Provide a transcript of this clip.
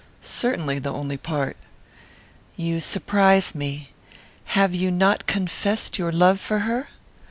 "Certainly, the only part." "You surprise me. Have you not confessed your love for her?"